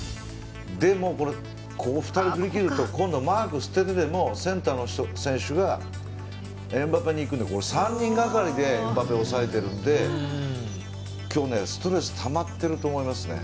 ２人を振り切るとマークを捨ててでもセンターの選手がエムバペに行くので３人がかりでエムバペを抑えているので今日、ストレスたまっていると思いますね。